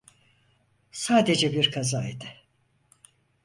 Sadece bir kazaydı.